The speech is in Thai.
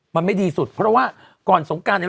มันไม่ดีสุดเพราะว่าก่อนสงการเนี่ย